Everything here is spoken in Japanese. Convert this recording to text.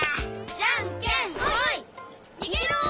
じゃんけんほい！にげろ！